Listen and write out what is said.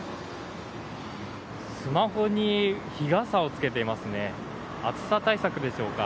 スマホに日傘をつけていますね。